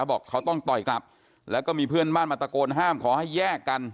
บอกเขาต้องต่อยกลับแล้วก็มีเพื่อนบ้านมาตะโกนห้ามขอให้แยกกัน